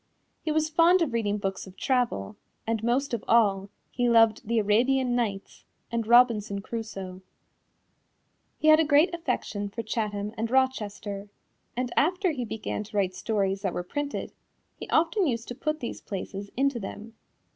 He was fond of reading books of travel, and most of all he loved The Arabian Nights and Robinson Crusoe. He had a great affection for Chatham and Rochester, and after he began to write stories that were printed, he often used to put these places into them.